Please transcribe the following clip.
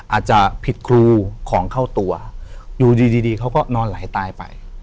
อาจจะผิดครูของเข้าตัวอยู่ดีดีเขาก็นอนไหลตายไป